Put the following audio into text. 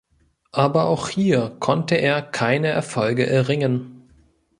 Aber auch hier konnte er keine Erfolge erringen.